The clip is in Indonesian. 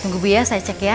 tunggu bu ya saya cek ya